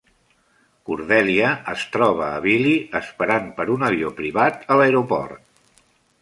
Cordelia es troba a Billy esperant per un avió privat a l'aeroport.